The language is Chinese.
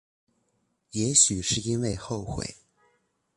也许是因为后悔